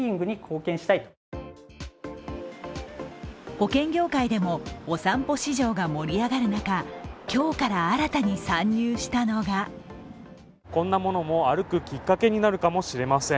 保険業界でもお散歩市場が盛り上がる中今日から新たに参入したのがこんなものも歩くきっかけになるかもしれません。